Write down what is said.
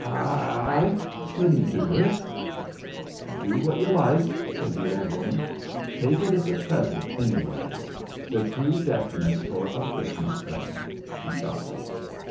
"I I couldn't do it." "Do what you like," said the old woman. "Take it as a present, anyways the Crewe deafness for a Christmas present," she chuckled.